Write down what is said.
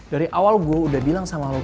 dari awal gue udah bilang sama lo